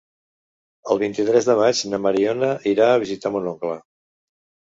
El vint-i-tres de maig na Mariona irà a visitar mon oncle.